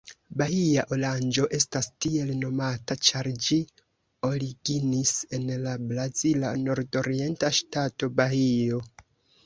Bahia oranĝo estas tiel nomata ĉar ĝi originis en la brazila nordorienta ŝtato Bahio.